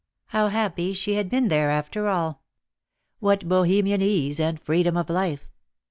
How happy she had been there, after all ! What Bohemian ease and freedom of life